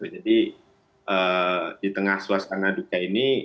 jadi di tengah suasana duka ini